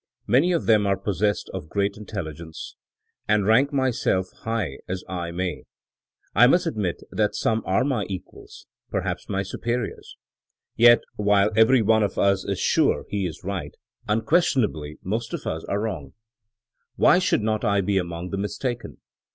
Many of them are possessed of great intelligence; and, rank myself high as I may, I must admit that some are my equals — perhaps my superiors. Yet, while every one of us is sure he is right, unquestionably most of us are wrong. "Why should not I be among the mistaken?